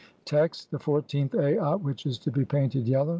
Text : (1) The fourteenth Aat [which is to be painted] yellow.